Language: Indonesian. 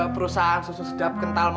perusahaan ini gak menang